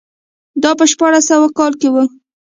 دا په شپاړس سوه کال کې و.